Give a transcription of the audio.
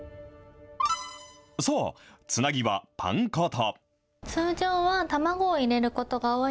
さあ、つなぎはパン粉と。